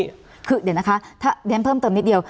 เดี๋ยวนะคะถ้าเรียนเพิ่มเติมนิดเดียว